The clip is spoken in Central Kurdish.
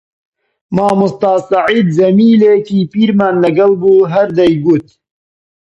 مامۆستا سەعید جەمیلێکی پیرمان لەگەڵ بوو هەر دەیگوت: